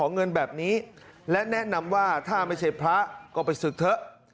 เงินแบบนี้และแนะนำว่าถ้าไม่ใช่พระก็ไปศึกเถอะ